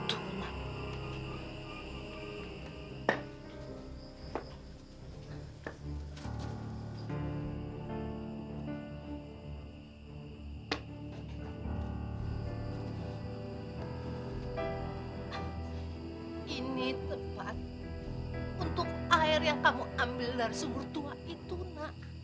untuk air yang kamu ambil dari sumur tua itu nak